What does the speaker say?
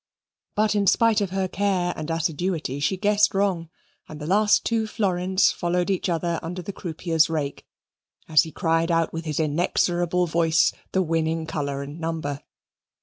But in spite of her care and assiduity she guessed wrong and the last two florins followed each other under the croupier's rake, as he cried out with his inexorable voice the winning colour and number.